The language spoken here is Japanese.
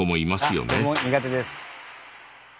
あっ僕も苦手です。